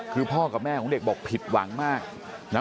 คือพ่อกับแม่ของเด็กบอกผิดหวังมากนะ